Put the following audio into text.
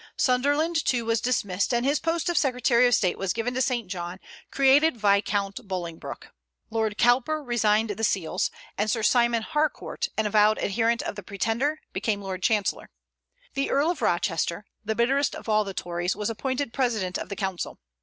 Sunderland, too, was dismissed, and his post of secretary of state was given to St. John, created Viscount Bolingbroke. Lord Cowper resigned the seals, and Sir Simon Harcourt, an avowed adherent of the Pretender, became lord chancellor. The Earl of Rochester, the bitterest of all the Tories, was appointed president of the council.